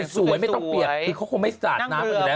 สวยไม่ต้องเปียกคือเขาคงไม่สาดน้ำกันอยู่แล้ว